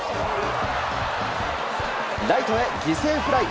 ライトへ犠牲フライ。